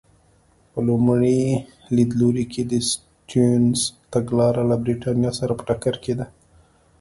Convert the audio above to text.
په لومړي لیدلوري کې د سټیونز تګلاره له برېټانیا سره په ټکر کې ده.